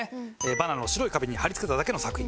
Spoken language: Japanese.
バナナを白い壁に貼り付けただけの作品。